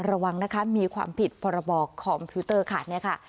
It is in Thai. ระวังนะคะมีความผิดพรบคอมพิวเตอร์ขาดเนี่ยค่ะ